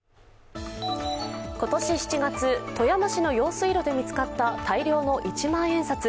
今年７月、富山市の用水路で見つかった大量の一万円札。